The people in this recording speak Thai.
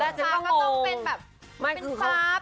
ตอนแรกต้องเป็นแบบ